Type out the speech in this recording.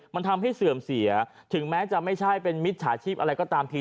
มันทำให้เสื่อมเสียถึงแม้จะไม่ใช่เป็นมิจฉาชีพอะไรก็ตามที